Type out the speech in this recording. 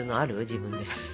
自分で。